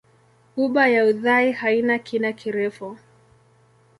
Ghuba ya Uthai haina kina kirefu.